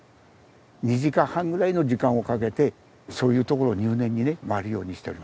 ２時間半ぐらいの時間をかけてそういう所を入念にね回るようにしております。